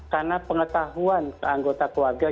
karena pengetahuan anggota keluarga